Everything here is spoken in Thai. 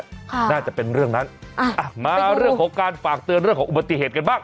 ค่ะน่าจะเป็นเรื่องนั้นอ่าอ่ะมาเรื่องของการฝากเตือนเรื่องของอุบัติเหตุกันบ้าง